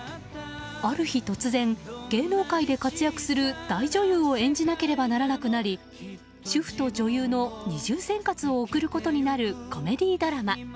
ある日、突然芸能界で活躍する大女優を演じなければならなくなり主婦と女優の二重生活を送ることになるコメディードラマ。